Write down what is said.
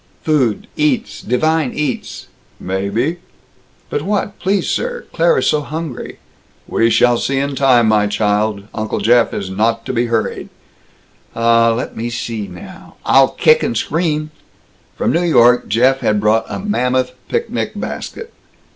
"Food. Eats. Divine eats." "Maybe." "But what? Please, sir. Claire is so hungry." "We shall see in time, my child. Uncle Jeff is not to be hurried." "Ah let me see now! I'll kick and scream!" From New York Jeff had brought a mammoth picnic basket.